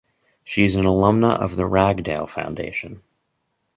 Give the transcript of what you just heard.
She is an alumna of the Ragdale Foundation.